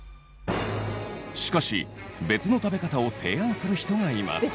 しかし別の食べ方を提案する人がいます。